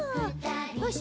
よし。